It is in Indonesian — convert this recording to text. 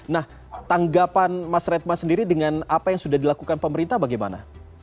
nah tanggapan mas retma sendiri dengan apa yang sudah dilakukan pemerintah bagaimana